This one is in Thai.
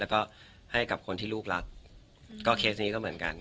แล้วก็ให้กับคนที่ลูกรักก็เคสนี้ก็เหมือนกัน